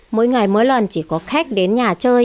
mỗi ngày mỗi lần chỉ có khách đến nhà chơi